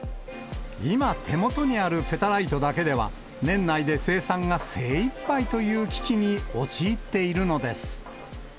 今、手元にあるペタライトだけでは、年内で生産が精いっぱいという危機に陥っているのです。